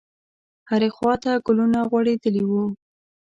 هرې خواته ګلونه غوړېدلي وو.